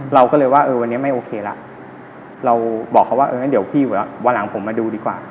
เราก็เลยว่าเออวันนี้ไม่โอเคละเราบอกเขาว่าเอองั้นเดี๋ยวพี่วันหลังผมมาดูดีกว่า